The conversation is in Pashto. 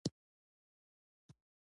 افغانستان د استادانو کور و.